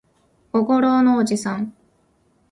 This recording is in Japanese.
小五郎のおじさん